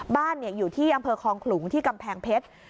บ้านอยู่ที่อำเภอคลองขลุงที่กำแพงเพชร